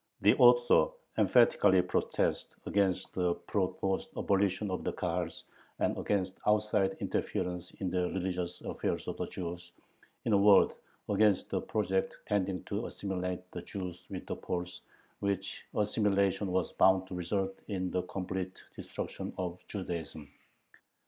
The author emphatically protests against the proposed abolition of the Kahals and against outside interference in the religious affairs of the Jews, in a word, against the projects tending to assimilate the Jews with the Poles, which assimilation "was bound to result in the complete destruction of Judaism."